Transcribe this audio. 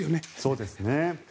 そうですね。